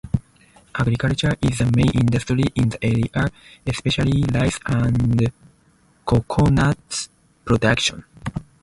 Agriculture is the main industry in the area, especially rice and coconut production.